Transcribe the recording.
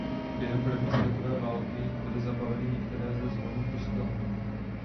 Během první světové války byly zabaveny některé ze zvonů kostela.